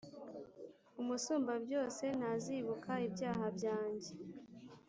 Umusumbabyose ntazibuka ibyaha byanjye.»